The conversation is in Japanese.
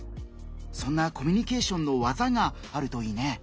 そんなコミュニケーションの技があるといいね。